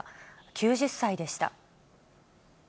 ９０歳でした。